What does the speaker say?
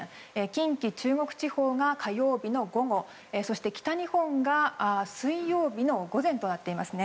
近畿、中国地方が火曜日の午後そして、北日本が水曜日の午前となっています。